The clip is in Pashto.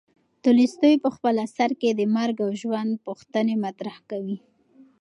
تولستوی په خپل اثر کې د مرګ او ژوند پوښتنې مطرح کوي.